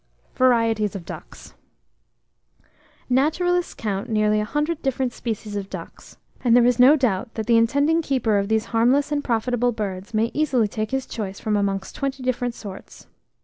VARIETIES OF DUCKS. Naturalists count nearly a hundred different species of ducks; and there is no doubt that the intending keeper of these harmless and profitable birds may easily take his choice from amongst twenty different sorts.